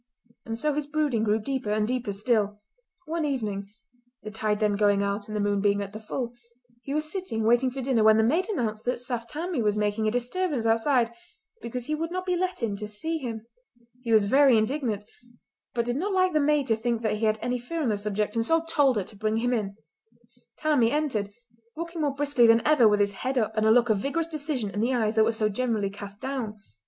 And so his brooding grew deeper and deeper still. One evening—the tide then going out and the moon being at the full—he was sitting waiting for dinner when the maid announced that Saft Tammie was making a disturbance outside because he would not be let in to see him. He was very indignant, but did not like the maid to think that he had any fear on the subject, and so told her to bring him in. Tammie entered, walking more briskly than ever with his head up and a look of vigorous decision in the eyes that were so generally cast down.